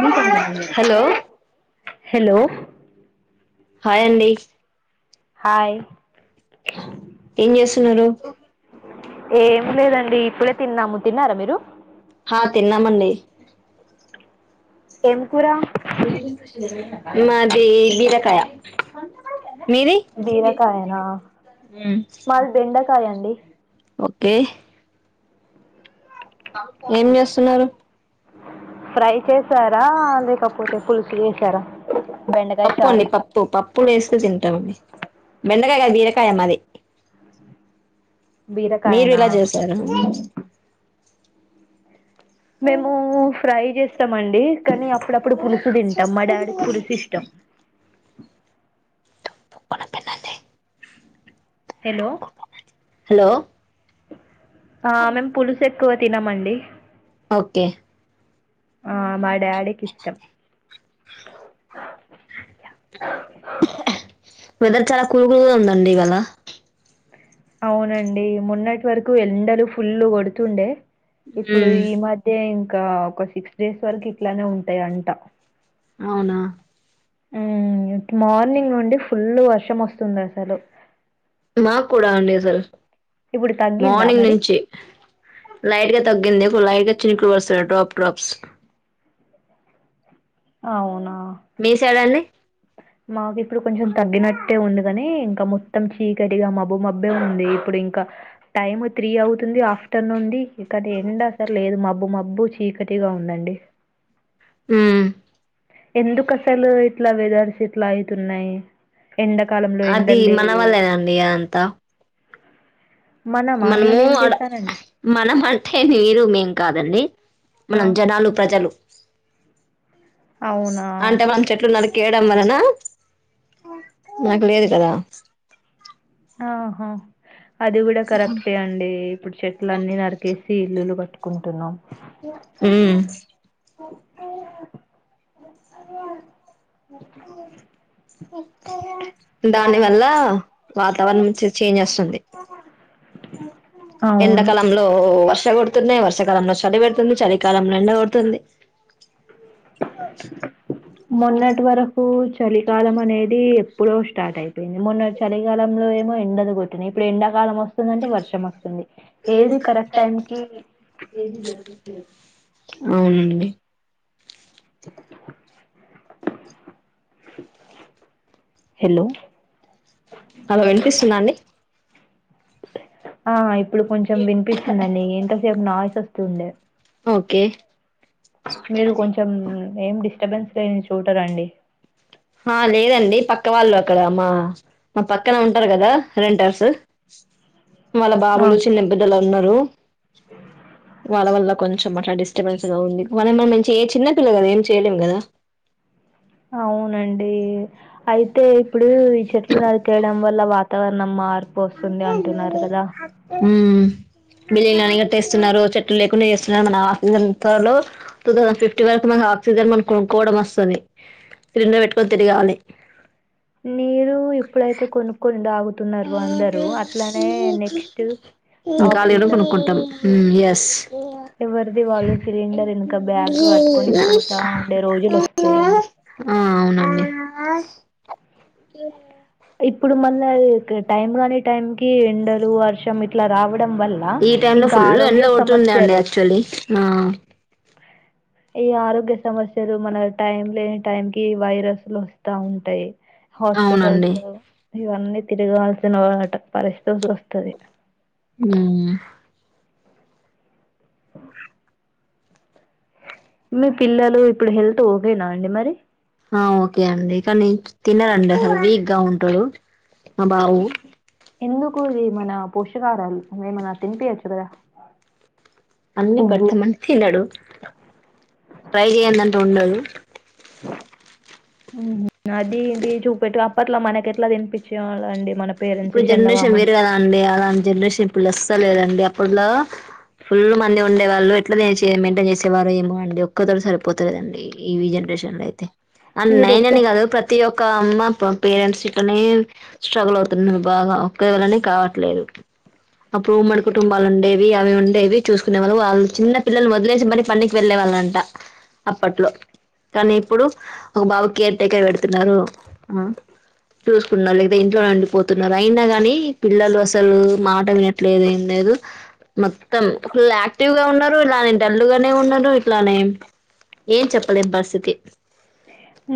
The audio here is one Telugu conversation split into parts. నీ కన్నా భయమే హలో హలో హాయ్ అండి హాయ్ ఏం చేస్తున్నారు ఏం లేదండి ఇప్పుడే తిన్నాము తిన్నారా మీరు హా తిన్నామండి ఎం మాది బీరకాయ మీది బీరకాయనా మాది బెండకాయ అండి ఓకే ఏం చేస్తున్నారు ఫ్రై చేసారా లేకపోతే పులుసు చేసారా బెండకాయ పప్పు అండి చారు పప్పు పప్పులు వేస్తూ తింటామండి బెండకాయ కాద బీరకాయ మాది మీరు బీరకాయనా ఏలా చేశారు అండి మేము ఫ్రై చేస్తామండి కాని అప్పుడప్పుడు పులుసు తింటాం మా డాడీకి పులుసు ఇష్టం హలో హలో మేము పులుసు ఏ ఎక్కువ తినమండి ఓకే ఆ మా డాడీకి ఇష్టం వెదర్ చాలా కూలుకులుగా ఉందండి ఇవాళ అవునండి మెన్నటి వరకు ఎండలు ఫుల్లు కొడుతుండే ఇప్పుడు ఈ మధ్య ఇంకా ఒక సిక్స్ డేస్ వరకు ఇట్లానే ఉంటాయి అంట అవునా హు ఇగ మార్నింగ్ నుండి ఫుల్ వర్షం వస్తుంది అసలు మాకు కూడా అండి అసలు ఇప్పుడు తగ్గిందా మార్నింగ్ మరి? నుంచి లైట్ గా తగ్గింది ఇప్పుడు లైట్ గా చినుకులు వస్తునయి డ్రాప్ డ్రాప్స్ అవునా మీ సైడ్ అండి మాకు ఇప్పుడు కొంచెం తగ్గినట్టే ఉంది కాని ఇంకా మొత్తం చీకటిగా మబ్బు మబ్బే ఉంది ఇప్పుడు ఇంకా టైం త్రీ అవుతుంది ఆఫ్టర్నూన్ నుండి ఇక్కటి ఎండ అసలు లేదు మబ్బు మబ్బు చీక కటిగా ఉందండి ఉ ఎందుకు అసలు ఇట్లా వెదర్స్ ఇట్లా అయితున్నాయి ఎండకాలంలో అది ఎండలు మన లేవు వల్లేనండి అదంతా మనమా మనము నేనేం అడ చేస్తానండి మనమంటే మీరు మేం కాదండి ఆ మనం జనాలు ప్రజలు అవునా అంటే మనం చెట్లు నరికేయడం వలన నాకు లేదు కదా ఆహా అది కూడా కరెక్టే అండి ఇప్పుడు చెట్లన్నీ నరికేసి ఇల్లులు కట్టుకుంటున్నాం ఉ [inaudible] దాని వల్ల వాత తవర్ నుంచి చేంజ్ అస్తుంది అ ఎండాకాలంలో వర్షకోడ్ తున్నాయి వర్షకాలంలో చలి పెడుతుంది చలికాలంలో ఎండ కోడుతుంది మొన్నటి వరకు చలికాలం అనేది ఇప్పుడు స్టార్ట్ అయిపోయింది మొన్న చలికాలంలో ఏమో ఎండలు కొట్టినయి ఇప్పుడు ఎండాకాలం వస్ వస్తుందంటే వర్షం వస్తుంది ఏది కరెక్ట్ టైంకి అవునండి [inaudible] హలో హలో వినిపిస్తుందా అండి ఆ ఇప్పుడు కొంచెం వినిపిస్తుందండి ఎంతసేపు నాయిస్ అస్తుండే ఓకే మీరు కొంచెం ఏం డిస్టర్బెన్స్ లేని చోట రండి హ లేదండి పక్ పక్క వాళ్ళు అక్కడ మా మా పక్కన ఉంటారు కదా రెంటర్స్ వాళ్ళ ఆ! బాబులు చిన్న పెద్దలు అందరు వాళ్ళ వల్ల కొంచెం అట్లా డిస్టర్బెన్స్ గా ఉంది మనమే మంచి ఏ చిన్నపిల్ల కదా ఏం చేయలేం కదా అవునండి అయితే ఇప్పుడు ఈ చెట్లు నరికేయడం వ ల్ల వాతావరణం మార్పు వస్తుంది అంటున్నారు కదా ఉ బిల్డింగ్లన్ని కట్టేస్తున్నారు చెట్లు లేకుండా చేస్తున్నారు మన ఆక్సిజన్ ఎంతలో టూ థౌసండ్ ఫిఫ్టీ వరకు మ ఆక్సిజన్ మనం కొనుక్కోవడం అస్తది సిలిండర్ పెట్టుకొని తిరగాలి నీరు ఇప్పుడైతే కొనుక్కొని తాగుతున్నారు అందరూ. అట్లనే నెక్స్ట్ గాలి కూడా ఆక్సిజన్ కొనుకుంటాం హ్మ్ ఎస్ ఎవరిది వాళ్ళు సిలిండర్ ఎనక బ్యాగ్ కట్టుకొని తిరుగుతా ఉండే రోజులు వస్తాయండి ఆ అవునవును ఇప్పుడు మళ్ళ ఇక్ టైం గాని టైం కీ ఎండలు, వర్షం, ఇట్లా రావ. ఈ టైమ్ లో ఫుల్ల్ ఎండ్లు కొడుతుండే అండి సమస్యలు యాక్చువల్లీ ఆ ఈ ఆరోగ్య సమస్యలు మన టైం లేని టైంకిి వైరస్లు వస్తా ఉంటాయి హాస్పటల్స్ అవునండి ఇవన్నీ తిరగాల్సిన వాట పరిస్థల్తొస్తది ఊఉ మీ పిల్లలు ఇప్పుడు హెల్త్ ఓకేనా అండి మరి ఆ ఓకే అండి కానీ, తినరండి అసలు వీక్ గా ఉంటడు. అ బాబు ఎందుకు ఇది మన పోషకాహారాలు ఏమన్నా తినిపియచ్చు కదా అన్నీ పువ్వు. పెడతమని తినడు, ఫ్రై చేయందంటూ ఉండదు. ఊహు అదీ ఇది చూపెట్టు అప్పట్లా మనకి ఎట్లా తినిపిచ్చేవాళ్ళండి మన పేరెంట్స్ ఇప్పుడు జనరేషన్ వేరు చందమామని గదా అండీ, అలాన్ జనరేషన్ ఇప్పుడు అస్సలేదండి అప్పట్లో. ఫుల్ల్ మంది ఉండేవాళ్ళు ఎట్ల నేసి మెయింటైన్ చేసేవారో ఏమో అండి, ఒక్క తోటి సరిపోతలేదండి ఈ విజన్. పేషన్లైతే అ మీరు నేనని ఒక్క గాదు ప్రతి ఒక్క అమ్మ ప పేరెంట్స్ ఇక్కనే స్ట్రగుల్ అవు తిన్న బాగా ఒక్కవళనే కావట్లేదు అప్పుడు ఉమ్మడి కుటుంబాలు ఉండేవి, అవి ఉండేవి, చూసుకునే వాళ్ళు. వాళ్ చిన్న పిల్లలు వదిలేసి మరి పనికి వెళ్లేవా. అలంట అప్పట్లో తని ఇప్పుడు ఒక బాబుకి కేర్ టేకర్ పెడుతున్నారు ఆ చూసుకున్నారు లేదా ఇంట్లో అండిపో తున్నారు అయినా గానీ, పిల్లలు అసలు మాట వినట్లేదు ఏం లేదు. మొత్తం ఫుల్ యాక్టివ్ గా ఉన్నారు, ఇలానే డల్లు గానే ఉన్నారు ఇట్లానే. ఏం చెప్పలేం పరిస్థితి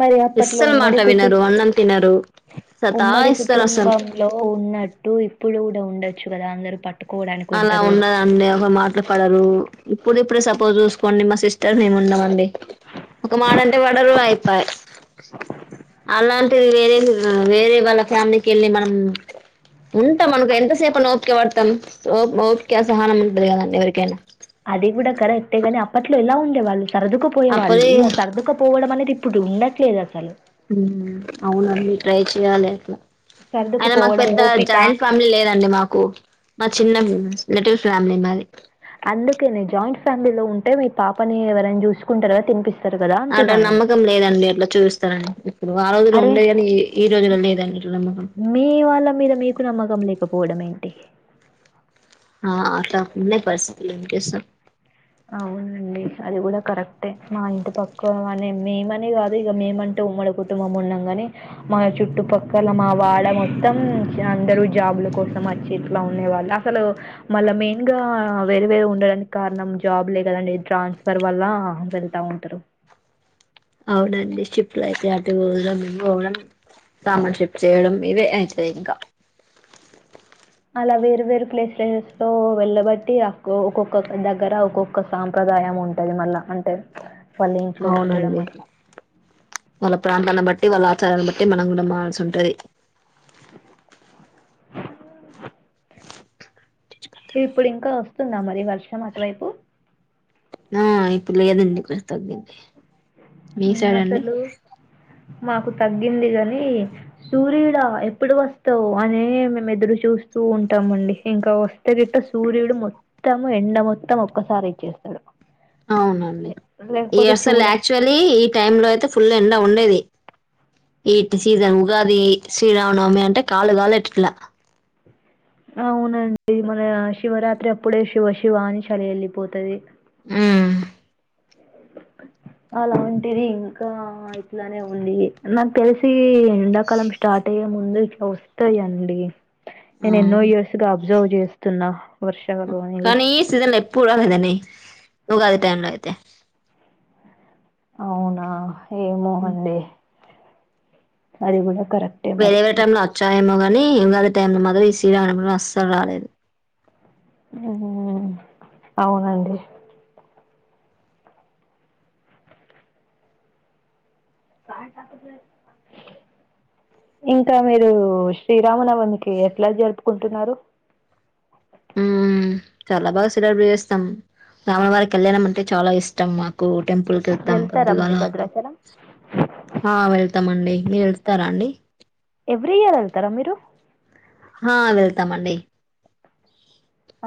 మరి అప్పట్లో అస్సలు మాట ఉమ్మడి కుటు వినరు, అన్నం తినరు, సతాయిస్తర్ అసల్. లో ఉన్నట్టు ఇప్పుడు గూడా ఉండొచ్చు గదా అందరు ప అలా ఉండదండి ఒక మాట్లు పడరు ఇప్పుడ్దిప్పుడే సపోజ్ చూసుకోండి మా సిస్టర్ మేము ఉండమండి. ఒక మాటంటే వడరు ఐపాయ్ అలాంటిది వేరే ర్ వేరే వాళ్ళ ఫ్యామిలీకి ఎళ్ళి మనం ఉంటం అనుకో ఎంతసేపని ఓపికె వడతం, ఓ ఓపిక సహనం ఉండది కదండి ఎవరికైనా. అది గూడా కరెక్టే గాని అప్పట్లో ఎలా ఉండే వాళ్ళు, సర్దుకుపోయేవాళ్ళు, అప్పుడే ఈ ఆ సర్దుకపోవడం అనేది. ఇప్పుడు ఉండట్లేదు అసలు ఊమ్ అవునండి ట్రై చెయాలె అట్లా అయిన మాక్ సర్దుకుపోవడం పెద్ద ఓపిక జాయింట్ ఫ్యామిలీ లేదండి మాకు, మా చిన్న నెటివ్స్. ఫ్యామిలీ మాది అందుకేనే జాయింట్ ఫ్యామిలీలో ఉంటే, మీ పాపని ఎవరైనా చూసుకుంటారూ కదా తినిపిస్. అంటే నమ్మకం లేదండి అట్లా చూయిస్తరని ఇప్పుడు, ఆ రోజులో అరే ఉండే గాని ఈ రోజులో లేదండి. ఇట్లా నమ్మకం మీ వాళ్ళ మీద మీకు నమ్మకం లేకపోవడం ఏంటి ఆ అట్లా ఉన్నాయి పరిస్థితులు ఏం చేసం అవునండి అది గూడా కరెక్టే, మా ఇంటి పక్కవాన్నే మేమనే గాదు ఇగ మేమంట. ఉమ్మడి కుటుంబం ఉన్నంగనే మా చుట్టుపక్కల, మా వాడా మొత్తం, అందరు జాబ్. ల కోసం అచ్చి ఇట్లా ఉండేవాళ్ళా, అసలు మళ్ళ మెయిన్గా వేరే వేరుగా ఉండడానికి కారణం. జాబ్ లే గదండి ట్రాన్స్ఫర్ వల్లా వెళ్తా ఉంటరు అవునండీ, షిఫ్ట్ లు అయితే అటు [unintelligible] సామాన్ షిఫ్ట్ చేయడం ఇవే అయితయ్ ఇంక ఇలా వేరు వేరు ప్లేసెస్ లో వెళ్ళబట్టి అక్కో, ఒక్కొక్క దగ్గర ఒక్కొక్క సాంప్రదాయం ఉ. ఉంటది మళ్ళా అంటే వాళ్ళ ఇంట్లో ఉండడం అవునండి అట్లా. వాళ్ళ ప్రాంతాన్న బ ట్టి వాళ్ళ ఆచారాల బట్టి మనం గూడా మార్స్ ఉంటది. తుందా మరి వర్షం అటువైపు ఆ ఇప్పుడు లేదండి కొ తగ్గింది మీ సైడ్ అండి అస్సలు మాకు తగ్గింది గాని సూర్యుడా ఎప్పుడు వస్తావ్ అనే మేము ఎదురు చూస్ సు ఉంటామండి ఇంకా వస్తే గిట్ట సూర్యుడు మొత్తము ఎండ మొత్తం ఒక్కసారె ఇచ్చేస్తాడు అవునండి లే ఈ లేకపోతే అసలు చూడం. యాక్చువల్లీ ఈ టైమ్ లో అయితే ఫుల్ ఎండా ఉండేది ఈట్ సీజన్ ఉగాది శ్రీరామనవమి అంటే కాళ్లు గాలే టిక్ల అవునండి మన శివరాత్రి అప్పుడే శివ శివ అని చలి ఎళ్ళిపోతది ఆ... ఉ అలాంటిది ఇంకా ఇట్లానే ఉంది నాకు తెల్సి ఎండాకాలం స్టార్ట్ అంటే ముందు ఇట్ల వస్తాయిండి నేను ఎన్నో అవును ఇయర్స్ గా అబ్జర్వ్ జేస్తున్నా కానీ ఈ సీజన్ లో ఎప్పుడు రలేదండి ఇ ఉగాది టైమ్ లో అయితే అవునా ఏమో అండి అది గూడా వేరే వేరే టైమ్ లో వచ్చాయేమో గాని ఉగాది టైమ్ లో మాత్రం ఈ శ్రీరానవమ్ లో అస్సలు రాలేదు హ్మ్ అవునండి కా కాక ఇంకా మీరు శ్రీరామనవమికి ఎట్లా జరుపుకుంటున్నారు హ్మ్ చాలా బాగా సెలబ్రెట్ చేస్తాం రాముల వారి కళ్యాణం అంటే చాలా ఇష్టం మాకు కు టెంపుల్కెళ్తాం వెళ్తారా పొద్దుగాల మరి భద్రాచలం ఆ వెళ్తామండి మీరు ఎళ్తారా అండి ఎవ్రీ ఇయర్ ఎళ్తారా మీరు హా వెళ్తామండి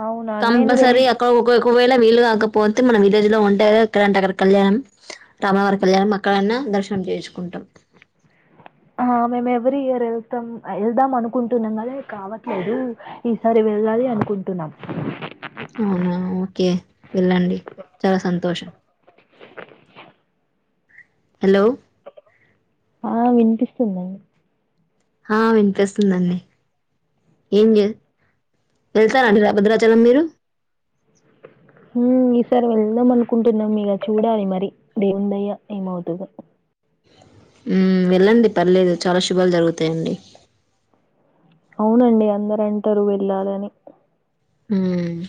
అవునా నేను వెళ్ కంపల్సారి ఎక ఉకెకూ ఒకవేళ వీళ్లు గాకపోతే మనం విలేజ్ లో ఉంటే ఎక్కడంట అక్కడ కళ్యాణం రామ వారి కళ్యాణం అక్కడన్నా దర్శనం చేయిచుకుంటాం ఆ మేము ఎవ్రీ ఇయర్ వెళ్తాం ఎళ్దాం అనుకుంటున్నాం గాని కావట్లేదు ఈసారి వెళ్ళాలి అనుకుంటున్నాం అవునా ఓకే వెళ్ళండి చాలా సంతోషం హలో ఆ వినిపిస్తుందా ఆ వినిపిస్తుందండి ఏం జె వెళ్తారాండి ర భద్రాచలం మీరు ఈసారి వెళ్దాం అనుకుంటున్నాం ఇగ చూడాలి మరి దేవుని దయ ఏమవుతదో హ్మ్ వెళ్ళండి పర్లేదు చాలా శుభాలు జరుగుతాయండి అవునండి అందరంటారు వెళ్ళాలని హ్మ్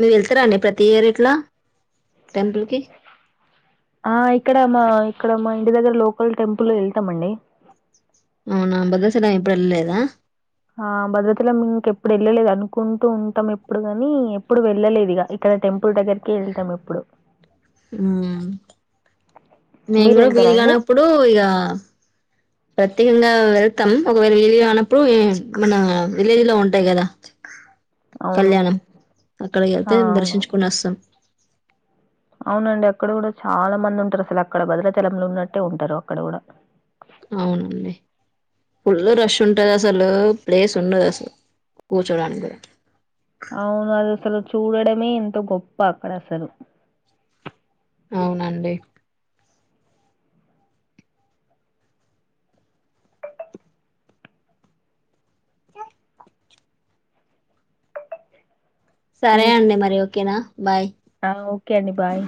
మీరు ఎళ్తారా అండి ప్రతి ఇయర్ ఇట్ల టెంపుల్కి ఆ ఇక్కడ మా ఇక్కడ మా ఇంటి దగ్గర లోకల్ టెంపుల్ కి ఎళ్తామండి అవునా భద్రచలం ఎప్పుడు ఎళ్ళలేదా ఆ భద్రచలం ఇంకెప్పుడు ఎళ్ళలేదు అనుకుంటూ ఉంటాం ఎప్పుడు గానీ ఎప్పుడు వెళ్ళలేదు ఇగ ఇక్కడ టెంపుల్ దగ్గరికి ఎళ్తాం ఎప్పుడు హ్మ్ నేను మీరు కూడా వెళ్తారా అండి వీలుగానప్పుడు ఇగా ప్రత్యేకంగా వెల్కమ్ ఒకవేళ ఇలుగానప్పుడు మన విలేజ్లో ఉంటాయ్ కదా అవును కళ్యాణం అక్కడికి ఆ ఎళ్తే అవును దర్శించుకుని వస్తాం అవునండి అక్కడ కూడా చాలా మంది ఉంటారు అసలు అక్కడ భద్రాచలంలో ఉన్నట్టే ఉంటారు అక్కడ కూడా అవునండి ఫుల్ రష్ ఉంటది అసలు ప్లేస్ ఉండదు అసలు కూర్చోడానికి గూడ అవును అది అసలు చూడడమే ఎంత గొప్ప అక్కడ అసలు అవునండి క ఓ సరే అండి మరి ఓకేనా బాయ్ కనీ భయి